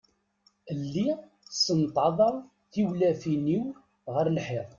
Lliɣ ssenṭaḍeɣ tiwlafin-iw ɣer lḥiḍ.